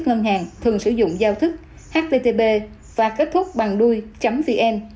các ngân hàng thường sử dụng giao thức http và kết thúc bằng đuôi vn